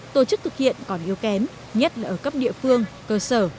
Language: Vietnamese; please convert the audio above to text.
tổ chức thực hiện còn yếu kém nhất là ở cấp địa phương cơ sở